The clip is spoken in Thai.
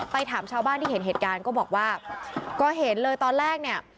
ถามชาวบ้านที่เห็นเหตุการณ์ก็บอกว่าก็เห็นเลยตอนแรกเนี่ย